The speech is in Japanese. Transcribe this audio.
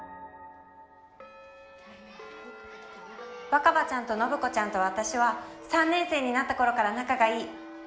若葉ちゃんと信子ちゃんと私は３年生になった頃から仲が良い。